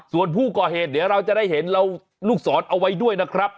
ส่วนผู้ก่อเหตุเดี๋ยวเราจะได้เห็นเราลูกศรเอาไว้ด้วยนะครับ